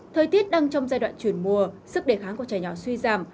thời tiết đang trong giai đoạn chuyển mùa sức đề kháng của trẻ nhỏ suy giảm